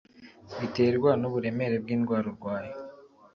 biterwa n'uburemere bw'indwara urwaye